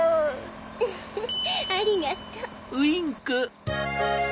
ウフっありがとう。